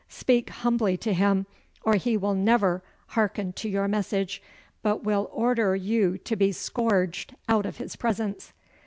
'Speak humbly to him or he will never hearken to your message, but will order you to be scourged out of his presence.